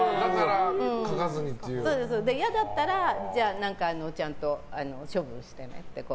そう、嫌だったらちゃんと処分してねって。